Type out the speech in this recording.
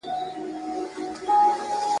تر ماپښینه وو آس څوځایه ویشتلی ,